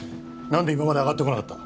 何で今まであがってこなかった？